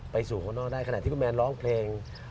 สู่คนนอกได้ขณะที่คุณแมนร้องเพลง